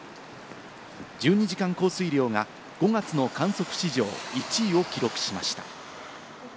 １２時間降水量が５月の観測史上１位を記録しました。